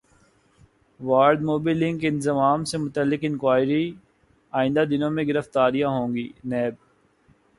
واردموبی link انضمام سے متعلق انکوائری ئندہ دنوں میں گرفتاریاں ہوں گی نیب